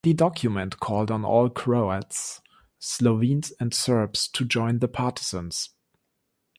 The document called on all Croats, Slovenes, and Serbs to join the Partisans.